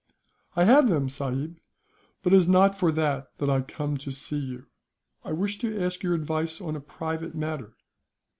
"I have them, sahib; but it is not for that that I come to see you. I wish to ask your advice on a private matter."